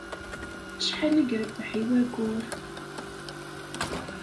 Acḥal i irebbeḥ i wayyur?